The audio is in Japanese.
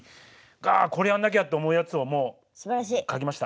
「あこれやんなきゃ」って思うやつをもう書きました。